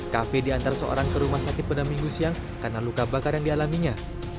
kafe diantar seorang ke rumah sakit pada minggu siang karena luka bakar yang dialaminya